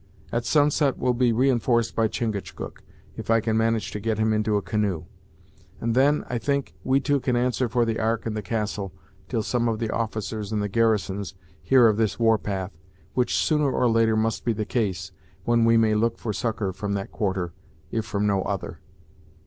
At sunset we'll be reinforced by Chingachgook, if I can manage to get him into a canoe; and then, I think, we two can answer for the ark and the castle, till some of the officers in the garrisons hear of this war path, which sooner or later must be the case, when we may look for succor from that quarter, if from no other."